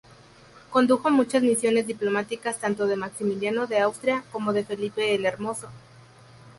Condujo muchas misiones diplomáticas tanto de Maximiliano de Austria como de Felipe el Hermoso.